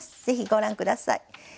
ぜひご覧下さい。